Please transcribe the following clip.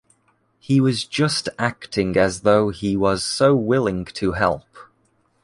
He was just acting as though he was so willing to help.